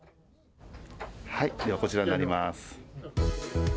こちらになります。